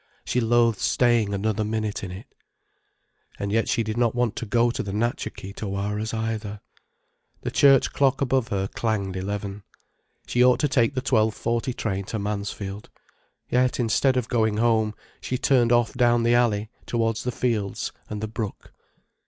She loathed staying another minute in it. And yet she did not want to go to the Natcha Kee Tawaras either. The church clock above her clanged eleven. She ought to take the twelve forty train to Mansfield. Yet instead of going home she turned off down the alley towards the fields and the brook.